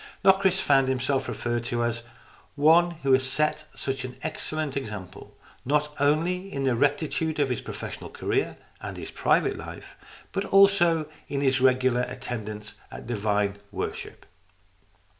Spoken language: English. Locris found himself referred to as " one who has set such an excellent example, not only in the rectitude of his professional career and his private life, but also in his regular attendance at divine worship."